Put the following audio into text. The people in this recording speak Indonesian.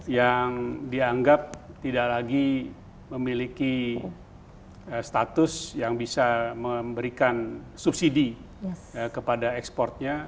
yang dianggap tidak lagi memiliki status yang bisa memberikan subsidi kepada ekspornya